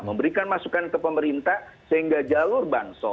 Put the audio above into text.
memberikan masukan ke pemerintah sehingga jalur banso